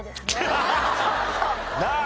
なあ！